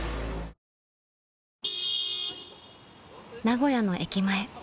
［名古屋の駅前］